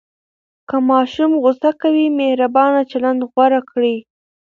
که ماشوم غوصه کوي، مهربانه چلند غوره کړئ.